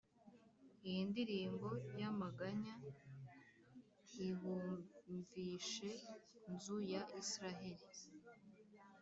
iyi ndirimbo y’amaganya ibumvishe, nzu ya Israheli !